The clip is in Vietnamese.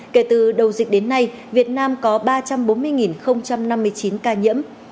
kể từ đầu dịch đến nay việt nam có ba trăm bốn mươi năm mươi chín ca nhiễm